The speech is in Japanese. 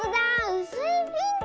うすいピンク！